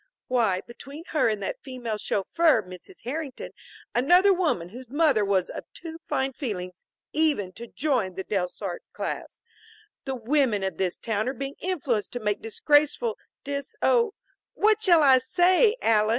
Why, between her and that female chauffeur, Mrs. Herrington, another woman whose mother was of too fine feelings even to join the Delsarte class, the women of this town are being influenced to making disgraceful dis oh, what shall I say, Alys?"